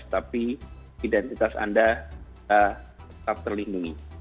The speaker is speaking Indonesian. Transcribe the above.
tapi identitas anda tetap terlindungi